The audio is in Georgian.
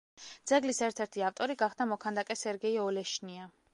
ძეგლის ერთ-ერთი ავტორი გახდა მოქანდაკე სერგეი ოლეშნია.